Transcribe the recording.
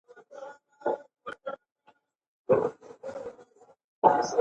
قانون د اداري مسوولیت تعریف کوي.